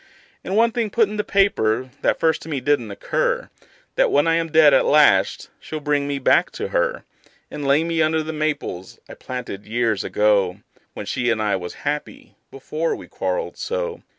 And one thing put in the paper, that first to me didn't occur: That when I am dead at last she'll bring me back to her; And lay me under the maples I planted years ago, When she and I was happy before we quarreled so.